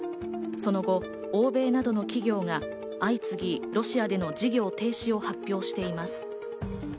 その後、欧米などの企業が相次ぎロシアでの事業停止を発表しています。